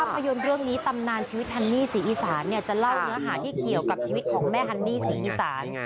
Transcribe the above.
ภาพยนตร์เรื่องนี้ตำนานชีวิตฮันนี่ศรีอีสานจะเล่าเนื้อหาที่เกี่ยวกับชีวิตของแม่ฮันนี่ศรีอีสาน